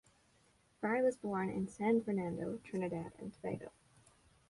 Fry was born in San Fernando, Trinidad and Tobago.